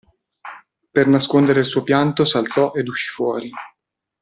Per nascondere il suo pianto s'alzò ed uscì fuori.